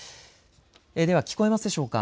では、聞こえますでしょうか。